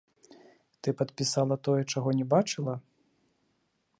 Ты падпісала тое, чаго не бачыла?